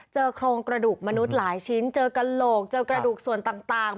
โครงกระดูกมนุษย์หลายชิ้นเจอกระโหลกเจอกระดูกส่วนต่าง